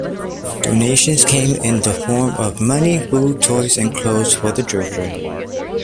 Donations came in the form of money, food, toys, and clothes for the children.